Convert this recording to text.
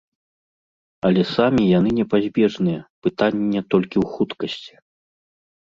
Але самі яны непазбежныя, пытанне толькі ў хуткасці.